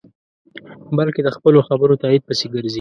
بلکې د خپلو خبرو تایید پسې گرځي.